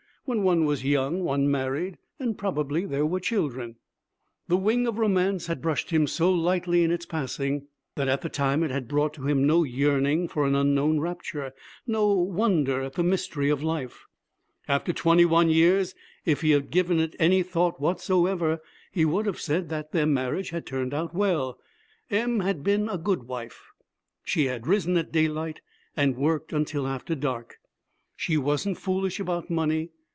When one was young, one married, and probably there were children. The wing of romance had brushed him so lightly in its passing, that at the time it had brought to him no yearning for an unknown rapture, no wonder at the mystery of life. After twenty one years, if he had given it any thought whatsoever, he would have said that their marriage 'had turned out well.' Em had been a good wife; she had risen at daylight and worked until after dark. She wasn't foolish about money.